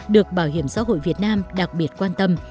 được bảo hiểm xã hội việt nam đặc biệt quan tâm